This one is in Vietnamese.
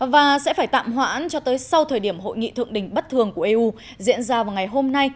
và sẽ phải tạm hoãn cho tới sau thời điểm hội nghị thượng đỉnh bất thường của eu diễn ra vào ngày hôm nay